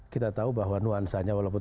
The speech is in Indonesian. kita tahu bahwa nuansanya walaupun